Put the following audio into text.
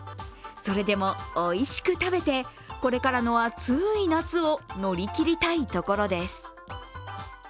それでも、おいしく食べてこれからの暑い夏を乗り切りたいところです。